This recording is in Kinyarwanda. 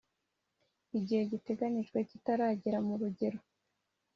igihe giteganyijwe kitaragera muregero.